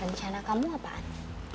rencana kamu apaan